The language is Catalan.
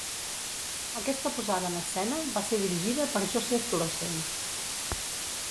Aquesta posada en escena va ser dirigida per Joseph Losey.